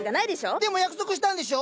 でも約束したんでしょ？